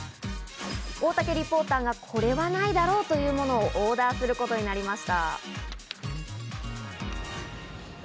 大竹リポーターがこれはないだろうというものをオーダーすることになりました。